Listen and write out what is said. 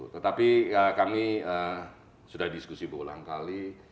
tetapi kami sudah diskusi berulang kali